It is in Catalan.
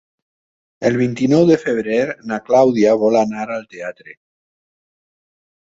El vint-i-nou de febrer na Clàudia vol anar al teatre.